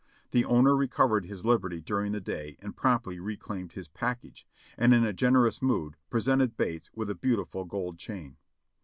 The owner recovered his liberty during the day and promptly reclaimed his package, and in a generous mood presented Bates with a beautiful gold chain.